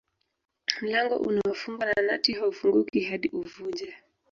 Mlango unaofungwa na nati haufunguki hadi uuvunje